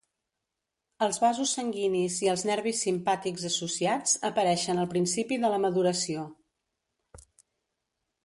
Els vasos sanguinis i els nervis simpàtics associats, apareixen al principi de la maduració.